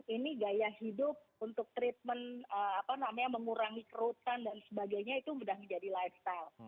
ini gaya hidup untuk treatment apa namanya mengurangi kerutan dan sebagainya itu sudah menjadi lifestyle